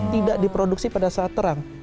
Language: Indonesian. tidak diproduksi pada saat terang